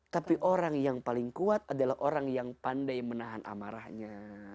tapi orang yang paling kuat adalah orang yang pandai menahan amarahnya